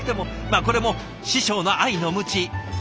まあこれも師匠の愛のムチ。